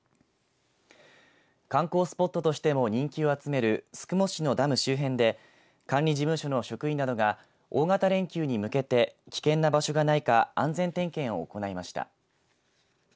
観光スポットとしても人気を集める宿毛市のダム周辺で管理事務所の職員などが大型連休に向けて危険な場所がないか安全点検を行いました。